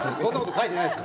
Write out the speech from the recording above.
書いてないですか。